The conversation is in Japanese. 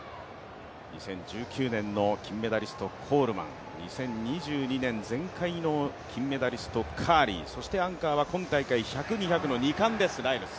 ２０１９年の金メダリスト、コールマン、２０２２年前回の金メダリスト、カーリー、そしてアンカーは今大会１００・２００の２冠です、ライルズ。